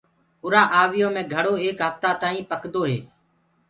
اُرآ آويٚ يو مي گھڙو ايڪ هڦتآ تآئينٚ پڪدو هي۔